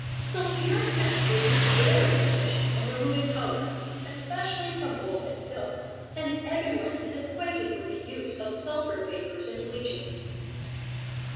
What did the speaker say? Sulphuric acid is very efficient in removing colour, especially from wool and silk, and every one is acquainted with the use of sulphur vapours in bleaching.